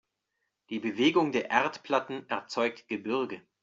Die Bewegung der Erdplatten erzeugt Gebirge.